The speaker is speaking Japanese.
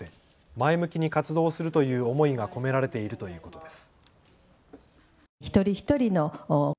前向きに活動するという思いが込められているということです。